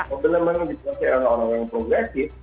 kalau benar benar diproses oleh orang orang yang progresif